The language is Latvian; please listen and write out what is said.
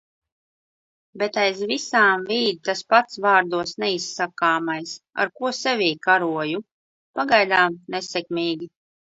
Bet aiz visām vīd tas pats vārdos neizsakāmais, ar ko sevī karoju. Pagaidām nesekmīgi.